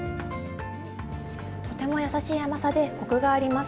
とても優しい甘さで、こくがあります。